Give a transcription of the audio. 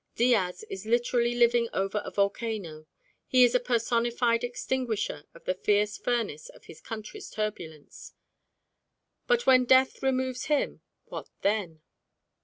Diaz is literally living over a volcano: he is a personified extinguisher of the fierce furnace of his country's turbulence. But when death removes him, what then?